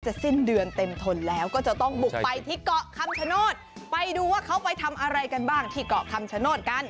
สิ้นเดือนเต็มทนแล้วก็จะต้องบุกไปที่เกาะคำชโนธไปดูว่าเขาไปทำอะไรกันบ้างที่เกาะคำชโนธกัน